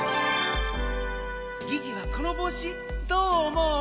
ギギはこのぼうしどうおもう？